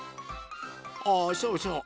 あそうそう！